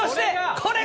これが。